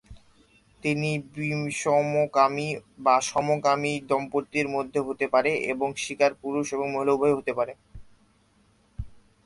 এটি বিষমকামী বা সমকামী দম্পতির মধ্যে হতে পারে এবং শিকার পুরুষ বা মহিলা উভয়ই হতে পারে।